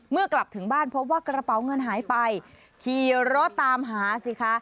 กลับถึงบ้านพบว่ากระเป๋าเงินหายไปขี่รถตามหาสิคะ